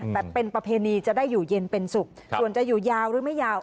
แต่เป็นประเพณีจะได้อยู่เย็นเป็นสุขส่วนจะอยู่ยาวหรือไม่ยาว